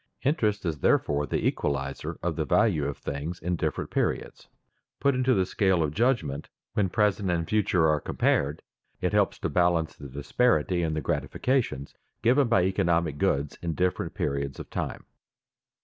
Interest is therefore the equalizer of the value of things in different periods. Put into the scale of judgment when present and future are compared, it helps to balance the disparity in the gratifications given by economic goods in different periods of time.